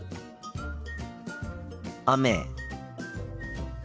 雨。